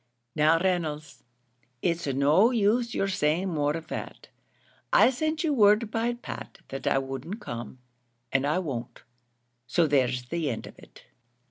"Now, Reynolds, it's no use you're saying more of that. I sent you word by Pat that I wouldn't come, and I won't so there's an end of it."